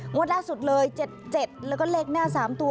ล่าสุดเลย๗๗แล้วก็เลขหน้า๓ตัว